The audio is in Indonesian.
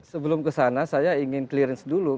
sebelum ke sana saya ingin clearance dulu